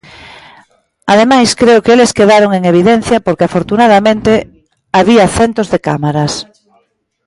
Ademais creo que eles quedaron en evidencia porque afortunadamente había centos de cámaras.